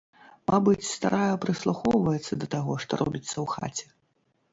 Мабыць, старая прыслухоўваецца да таго, што робіцца ў хаце.